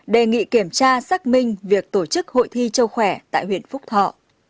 đề nghị kiểm tra xác minh việc tổ chức hội thi châu khỏe tại huyện phúc thọ